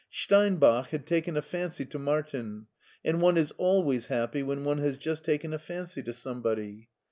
Steinbach had taken a fancy to Martin, and one is always happy when one has just taken a fancy to somebody.